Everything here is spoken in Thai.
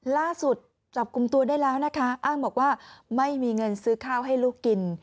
ล่าสุดจับกลุ่มตัวได้แล้วนะคะอ้างบอกว่าไม่มีเงินซื้อข้าวให้ลูกกิน